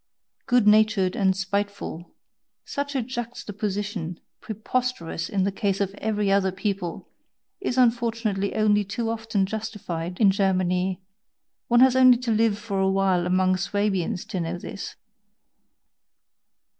"Good natured and spiteful" such a juxtaposition, preposterous in the case of every other people, is unfortunately only too often justified in Germany one has only to live for a while among Swabians to know this!